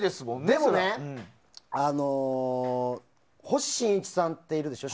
でもね星新一さんっているでしょ。